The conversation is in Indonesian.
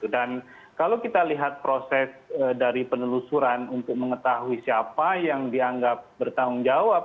dan kalau kita lihat proses dari penelusuran untuk mengetahui siapa yang dianggap bertanggung jawab